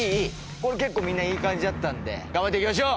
これ結構みんないい感じだったんで頑張っていきましょう！